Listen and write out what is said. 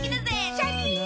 シャキン！